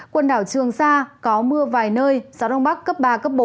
quần đảo trường sa có mưa vài nơi gió đông bắc cấp ba cấp bốn